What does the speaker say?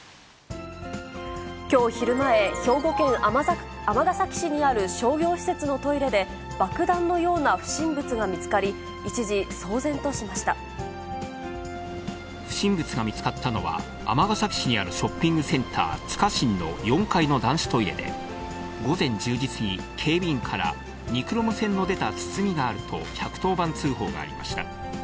きょう昼前、兵庫県尼崎市にある商業施設のトイレで、爆弾のような不審物が見つかり、不審物が見つかったのは、尼崎市にあるショッピングセンター、つかしんの４階の男子トイレで、午前１０時過ぎ、警備員からニクロム線の出た包みがあると１１０番通報がありました。